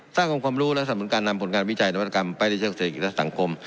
สร้างองค์ความรู้และสำนุนการนำผลงานวิจัยนวัตกรรมไปในเชิงเศรษฐกิจและสังคม